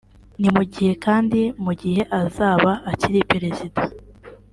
ni mu gihe kandi mu gihe azaba akiri Perezida